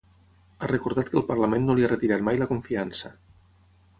Ha recordat que el parlament no li ha retirat mai la confiança.